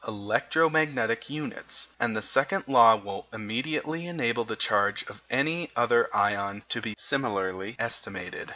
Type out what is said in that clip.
3 X 10^{ 20} electromagnetic units; and the second law will immediately enable the charge of any other ion to be similarly estimated.